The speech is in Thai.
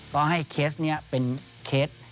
ก็ให้เคสนี้เป็นเคส